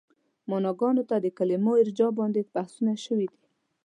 معناګانو ته د کلمو ارجاع باندې بحثونه شوي دي.